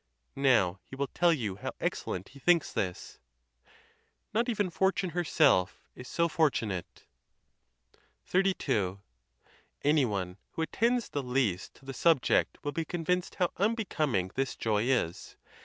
Now he will tell you how excellent he thinks this: Not even fortune herself is so fortunate. XXXII. Any one who attends the least to the subject will be convinced how unbecoming this joy is.